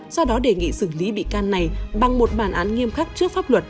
do đó đề nghị xử lý bị can này bằng một bản án nghiêm khắc trước pháp luật